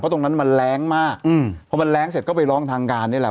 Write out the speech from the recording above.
เพราะตรงนั้นมันแร้งมากพอมันแร้งเสร็จก็ไปลองทางการเนี่ยแหละ